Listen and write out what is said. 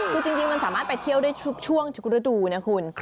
คุณจริงมันสามารถไปเที่ยวได้ช่วงชุกระดูกนะคุณ